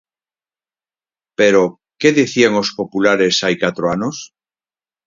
Pero, que dicían os populares hai catro anos?